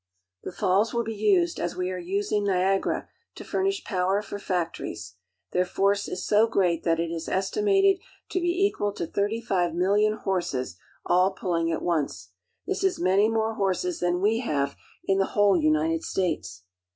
The fails will be used, as we are using Niagara, to furnish power for factories. Their force i great that it is estimated to be equal to thirty five million horses, all pulling at once. This is many more horses than ' we have in the whole United States.